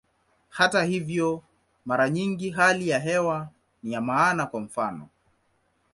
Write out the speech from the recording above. Hata hivyo, mara nyingi hali ya hewa ni ya maana, kwa mfano.